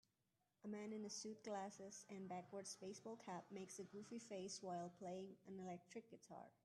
A man in a suit glasses and backwards baseball cap makes a goofy face while playing an electric guitar